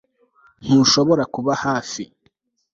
Ntushobora kuba hafi